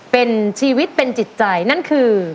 เป็นชีวิตเป็นจิตใจนั่นคือ